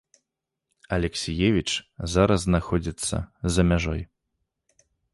Алексіевіч зараз знаходзіцца за мяжой.